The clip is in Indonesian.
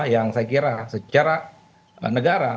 yang saya kira secara negara